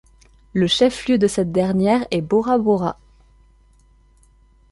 Le chef-lieu de cette dernière est Bora-Bora.